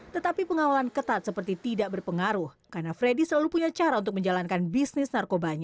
tetapi pengawalan ketat seperti tidak berpengaruh karena freddy selalu punya cara untuk menjalankan bisnis narkobanya